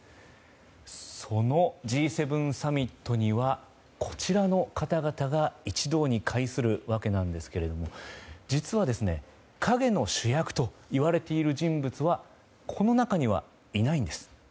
そのＧ７サミットにはこちらの方々が一堂に会するわけなんですが実は、陰の主役といわれている人物はこの中にはいないんです。